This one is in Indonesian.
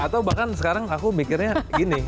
atau bahkan sekarang aku mikirnya gini